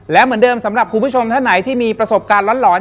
และเหมือนเดิมสำหรับคุณผู้ชมท่านไหนที่มีประสบการณ์หลอน